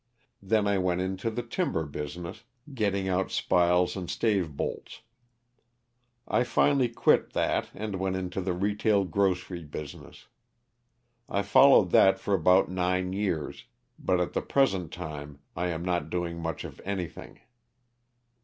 Then I went into the timber business, getting out spiles and stave bolts. I finally quit that and went into the re tail grocery business. I followed that for about nine years, but at the present time I am not doing much of anything.